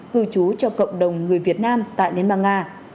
cư trú cho cộng đồng người việt nam tại liên bang nga